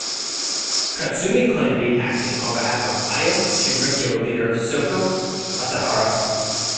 Kutsumi claimed to be acting on behalf of Aum Shinrikyo leader Shoko Asahara.